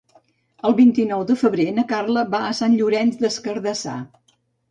El vint-i-nou de febrer na Carla va a Sant Llorenç des Cardassar.